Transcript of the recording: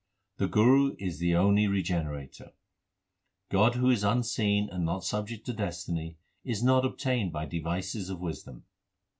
The Guru is the only regenerator : God who is unseen and not subject to destiny, is not obtained by devices of wisdom.